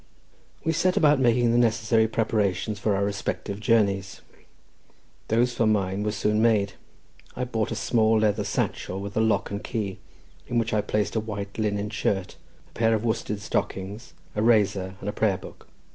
We set about making the necessary preparations for our respective journeys. Those for mine were soon made. I bought a small leather satchel with a lock and key, in which I placed a white linen shirt, a pair of worsted stockings, a razor and a prayer book.